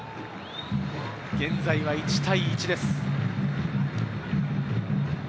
現在は１対１です。